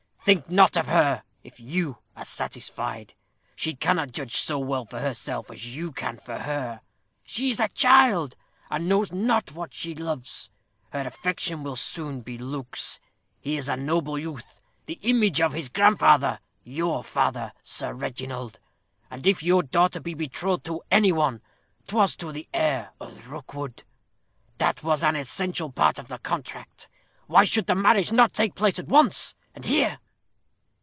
"Think not of her, if you are satisfied. She cannot judge so well for herself as you can for her. She is a child, and knows not what she loves. Her affection will soon be Luke's. He is a noble youth the image of his grandfather, your father, Sir Reginald; and if your daughter be betrothed to any one, 'twas to the heir of Rookwood. That was an essential part of the contract. Why should the marriage not take place at once, and here?"